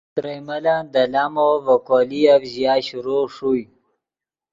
ترئے ملن دے لامو ڤے کولییف ژیا شروع ݰوئے۔